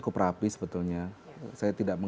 karena kalau kolektifnya sebetulnya lalu ada yang berkumpul